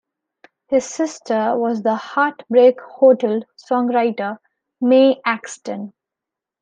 His sister was the "Heartbreak Hotel" songwriter Mae Axton.